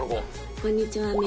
こんにちは。